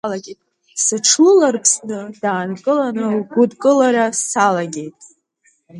Сыҽлыларԥсны даанкыланы лгәыдкылара салагеит.